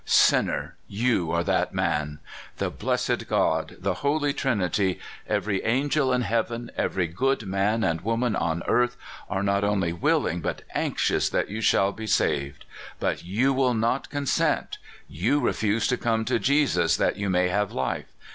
Sinner, you are that man! The blessed God, the Holy Trinity, every angel in heaven, every good man and woman on earth, are not only willing but anxious that you shall be saved. But you will not consent. You refuse to come to Jesus that you may have life.